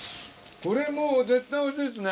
これもう絶対おいしいですね。